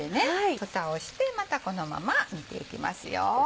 ふたをしてまたこのまま煮ていきます。